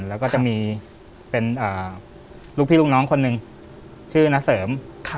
แล้วก็จะมีเป็นลูกพี่ลูกน้องคนหนึ่งชื่อนาเสริม